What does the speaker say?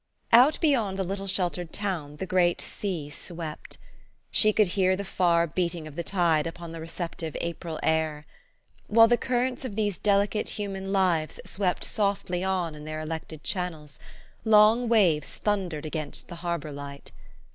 Out bej r ond the little sheltered town the great sea swept. She could hear the far beating of the tide upon the receptive April air. While the currents of these delicate human lives swept softly on in their elected channels, long waves thundered against the Harbor Light.